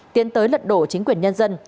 tiến tới lật đổ chính quyền nhân dân